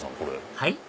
はい？